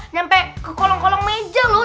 nyampe ke kolong kolong meja loh